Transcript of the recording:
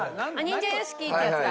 忍者屋敷行ったやつか。